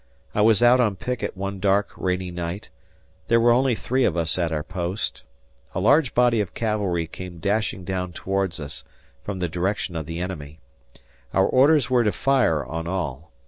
I was out on picket one dark rainy night; there were only three of us at our post; a large body of cavalry came dashing down towards us from the direction of the enemy. Our orders were to fire on all.